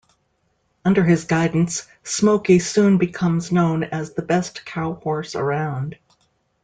Under his guidance, Smoky soon becomes known as the best cowhorse around.